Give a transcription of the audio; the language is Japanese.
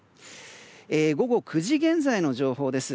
午後９時現在の情報です。